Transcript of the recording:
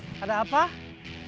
saya perlu mobil sewaan hari ini